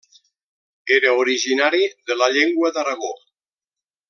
Era originari de la Llengua d'Aragó.